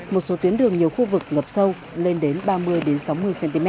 một số tuyến đường nhiều khu vực ngập sâu lên đến ba mươi sáu mươi cm